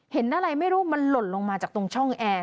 เห็นอะไรไม่รู้มันหล่นลงมาจากตรงช่องแอร์